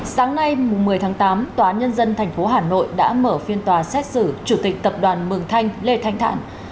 sáng nay một mươi tháng tám tòa nhân dân tp hà nội đã mở phiên tòa xét xử chủ tịch tập đoàn mường thanh lê thanh thản